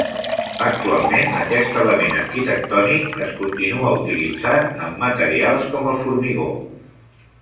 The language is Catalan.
Actualment aquest element arquitectònic es continua utilitzant amb materials com el formigó.